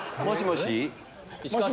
もしもし？